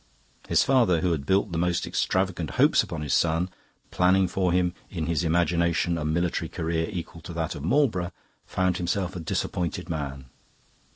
His father, who had built the most extravagant hopes upon his son, planning for him in his imagination a military career equal to that of Marlborough, found himself a disappointed man.